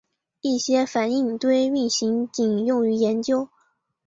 一些反应堆运行仅用于研究。